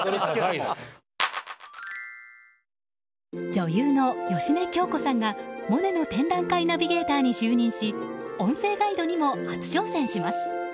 女優の芳根京子さんがモネの展覧会ナビゲーターに就任し音声ガイドにも初挑戦します。